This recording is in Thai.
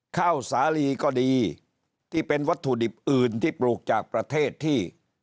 ข้าวสาลีก็ดีที่เป็นวัตถุดิบอื่นที่ปลูกจากประเทศที่